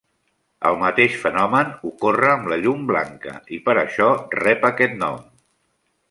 El mateix fenomen ocorre amb la llum blanca i per això rep aquest nom.